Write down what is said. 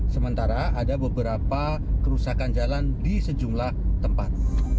sementara ada beberapa kerusakan jalan di sejumlah tempat